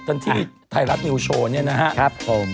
กันที่ไทยรัฐนิวโชว์เนี่ยนะครับผม